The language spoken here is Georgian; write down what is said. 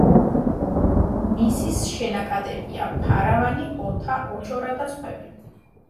მისის შენაკადებია: ფარავანი, ოთა, ოშორა და სხვები.